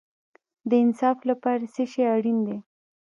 د انصاف لپاره څه شی اړین دی؟